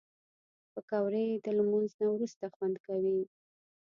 پکورې د لمونځ نه وروسته خوند کوي